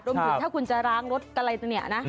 รวมถึงถ้าคุณจะล้างรถสักละเนี่ยนะ